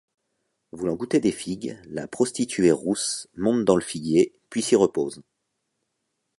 Voulant goûter des figues, la prostituée rousse monte dans le figuier, puis s'y repose.